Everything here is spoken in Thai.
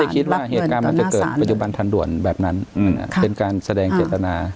การจ่ายเงินเนี่ยการจะเกิดปัจจุบันทันด่วนแบบนั้นเป็นการแสดงเกตนา